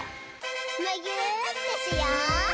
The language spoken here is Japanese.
むぎゅーってしよう！